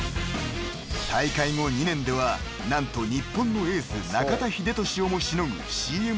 ［大会後２年では何と日本のエース中田英寿をもしのぐＣＭの契約社数］